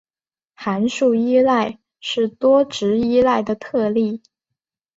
函数依赖是多值依赖的特例。